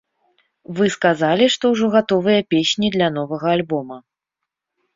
Вы сказалі, што ўжо гатовыя песні для новага альбома.